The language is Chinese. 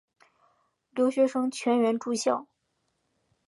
留学生全员住校。